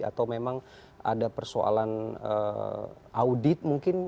atau memang ada persoalan audit mungkin